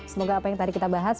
semoga apa yang tadi kita bahas